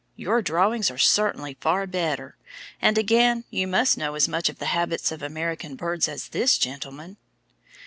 Your drawings are certainly far better; and again, you must know as much of the habits of American birds as this gentleman.'